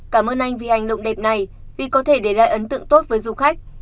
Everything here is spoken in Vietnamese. cảm ơn anh vì hành động đẹp này vì có thể để lại ấn tượng tốt với du khách